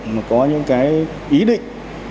mà có những cái ý định